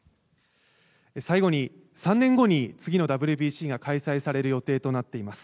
最後に３年後に次のＷＢＣが開催される予定となっています。